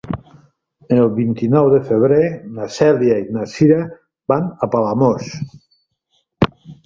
El vint-i-nou de febrer na Cèlia i na Cira van a Palamós.